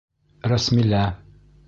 Рәсмилә!